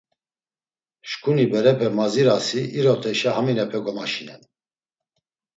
Şǩuni berepe mazirasi iroteşa haminepe kogomaşinen.